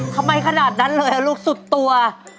ทำไมขนาดนั้นเลยอ่ะลูกสุดตัว